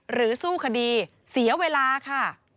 สู้คดีเสียเวลาค่ะ